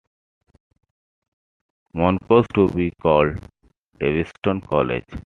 Moncus to be called Daviston College.